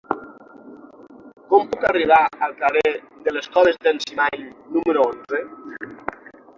Com puc arribar al carrer de les Coves d'en Cimany número onze?